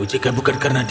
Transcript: jika bukan karena dia